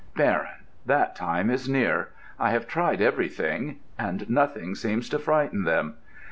Baron, that time is near. I have tried everything, and nothing seems to frighten them.